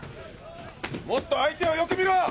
もっと相手をよく見ろ！